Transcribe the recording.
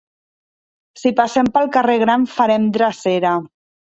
Si passem pel carrer Gran farem drecera.